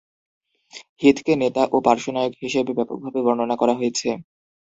হিথকে নেতা ও পার্শ্বনায়ক হিসেবে ব্যাপকভাবে বর্ণনা করা হয়েছে।